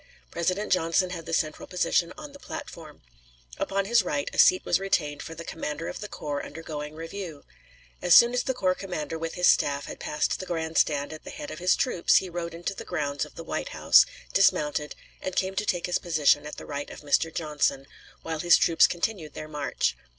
President Johnson had the central position on the platform. Upon his right, a seat was retained for the commander of the corps undergoing review. As soon as the corps commander with his staff had passed the grand stand at the head of his troops, he rode into the grounds of the White House, dismounted, and came to take his position at the right of Mr. Johnson, while his troops continued their march.